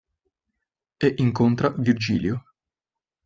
E incontra Virgilio.